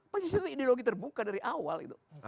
pancasila itu ideologi terbuka dari awal